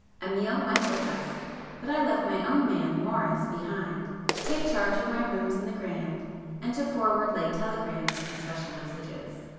Amiel went with us,—but I left my own man, Morris, behind, to take charge of my rooms in the Grand, and to forward late telegrams and special messages.